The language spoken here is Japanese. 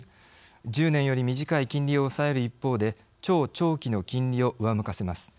１０年より短い金利を抑える一方で超長期の金利を上向かせます。